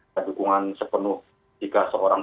terdukungan sepenuh jika seorang